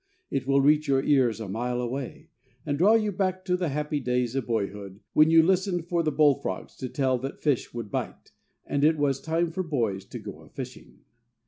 It will reach your ears a mile away, and draw you back to the happy days of boyhood, when you listened for the bullfrogs to tell that fish would bite, and it was time for boys to go a fishing.